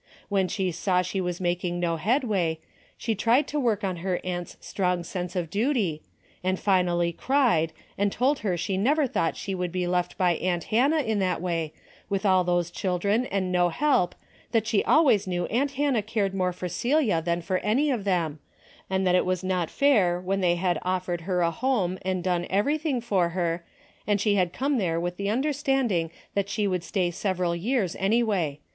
When she saw she was making no headway, she tried to work on her aunt's strong sense* of duty, and finally cried, and told her she never thought she would be left by aunt Hannah in that way, with all those children and no help, that she always knew aunt Hannah cared more for Celia than for any of them, and that it was not fair when they had offered her a home and done every thing for her, and she had come there with the understanding that she would stay several years anyway.